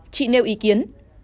chị nêu ý kiến